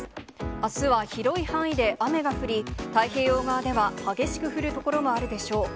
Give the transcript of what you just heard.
あすは広い範囲で雨が降り、太平洋側では激しく降る所もあるでしょう。